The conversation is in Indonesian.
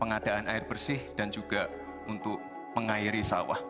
pengadaan air bersih dan juga untuk mengairi sawah